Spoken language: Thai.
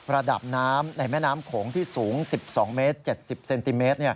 ระดับน้ำในแม่น้ำโขงที่สูง๑๒เมตร๗๐เซนติเมตร